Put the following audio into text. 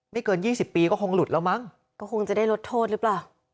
เกินยี่สิบปีก็คงหลุดแล้วมั้งก็คงจะได้ลดโทษหรือเปล่า